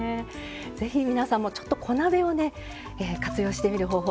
ぜひ、皆さんも小鍋を活用してみる方法